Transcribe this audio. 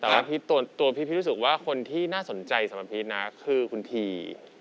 แต่ว่าตัวพีชรู้สึกว่าคนที่น่าสนใจสำหรับพีชนะคือคุณที